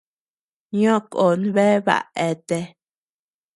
Ño kon bea baʼa eatea.